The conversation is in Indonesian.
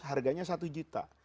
harganya satu juta